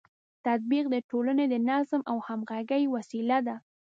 تطبیق د ټولنې د نظم او همغږۍ وسیله ده.